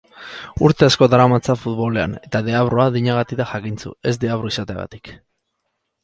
Urte asko daramatza futbolean eta deabrua adinagatik da jakintsu, ez deabru izateagatik.